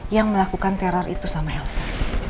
yang melakukan teror itu sama elsa